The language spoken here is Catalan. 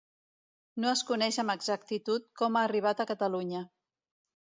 No es coneix amb exactitud com ha arribat a Catalunya.